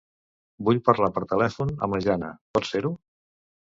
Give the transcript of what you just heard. Vull parlar per telèfon amb la Jana, pots fer-ho?